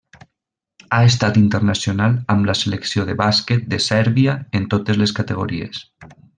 Ha estat internacional amb la Selecció de bàsquet de Sèrbia en totes les categories.